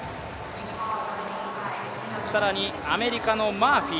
更にアメリカのマーフィー。